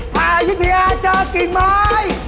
ผ่ายิทยาเจอกินไม้